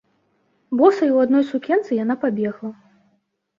Босая і ў адной сукенцы, яна пабегла.